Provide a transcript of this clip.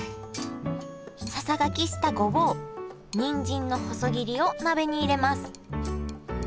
ささがきしたごぼうにんじんの細切りを鍋に入れます。